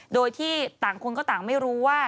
โดยที่ต่างคนก็ต่างไม่รู้ว่า